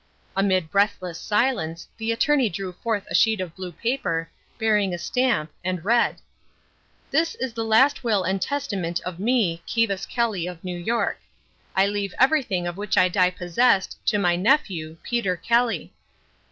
Amid breathless silence, the attorney drew forth a sheet of blue paper, bearing a stamp, and read: "This is the last will and testament of me, Kivas Kelly of New York. I leave everything of which I die possessed to my nephew, Peter Kelly."